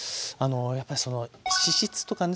やっぱり脂質とかね